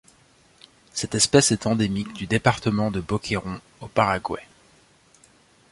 Cette espèce est endémique du département de Boquerón au Paraguay.